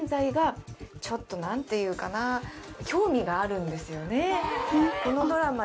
ちょっと何ていうかな。があるんですよね。